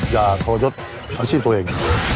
อย่าทรยศอาชีพตัวเอง